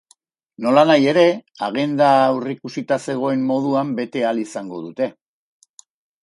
Nolanahi ere, agenda aurrikusita zegoen moduan bete ahal izango dute.